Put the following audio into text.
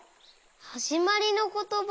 はじまりのことば？